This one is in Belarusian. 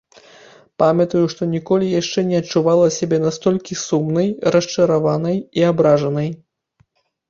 Памятаю, што ніколі яшчэ не адчувала сябе настолькі сумнай, расчараванай і абражанай.